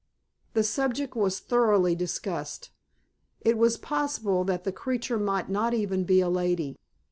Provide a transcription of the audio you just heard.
The subject was thoroughly discussed. It was possible that the creature might not even be a lady.